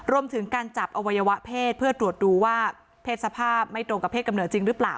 รวมถึงการจับอวัยวะเพศเพื่อตรวจดูว่าเพศสภาพไม่ตรงกับเศษกำเนิดจริงหรือเปล่า